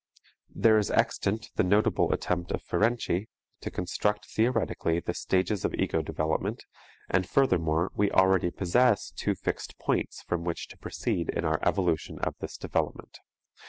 There is extant the notable attempt of Ferenczi to construct theoretically the stages of ego development, and furthermore we already possess two fixed points from which to proceed in our evolution of this development.